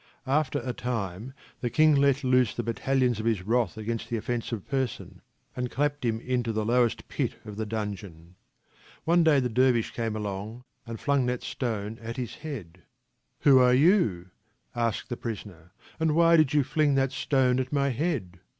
Aftera time the kinglet loose the battalions of his wrath against the offensive person, and clapped him into the lowest pit of the dungeon. One day the dervish came along and flung that stone at his head. " Who are TRANSLATIONS FROM THE GULISTAN 65 you ?" asked the prisoner, " and why did you fling that stone at my head